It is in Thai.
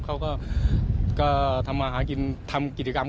ต่างร่วมมือที่ร้านค้าโรงแรมในหัวหินนะคะ